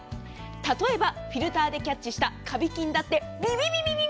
例えば、フィルターでキャッチしたカビ菌だってビビビッ！